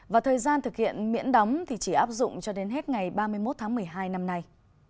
và thời gian thực hiện miễn đóng thì chỉ áp dụng cho đến hết ngày ba mươi một tháng một mươi hai năm nay